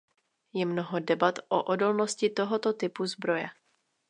Je mnoho debat o odolnosti tohoto typu zbroje.